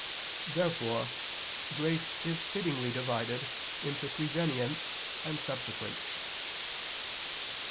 Therefore grace is fittingly divided into prevenient and subsequent.